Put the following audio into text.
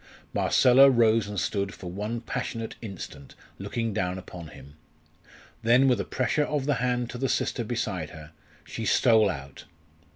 Marcella rose and stood for one passionate instant looking down upon him. Then, with a pressure of the hand to the sister beside her, she stole out.